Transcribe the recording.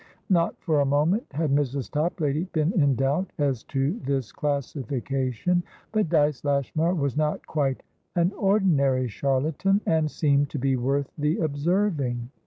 Not for a moment had Mrs. Toplady been in doubt as to this classification; but Dyce Lashmar was not quite an ordinary charlatan, and seemed to be worth the observing.